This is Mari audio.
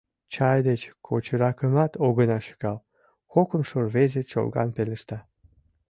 — Чай деч кочыракымат огына шӱкал, — кокымшо рвезе чолган пелешта.